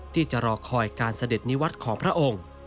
ที่จะรอคอยการเสด็จนิวัตรของพระองค์